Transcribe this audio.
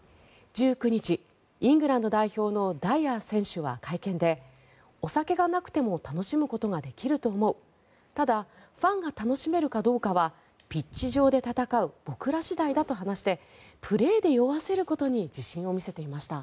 １９日、イングランド代表のダイアー選手は会見でお酒がなくても楽しむことができると思うただファンが楽しめるかどうかはピッチ上で戦う僕ら次第だと話してプレーで酔わせることに自信を見せていました。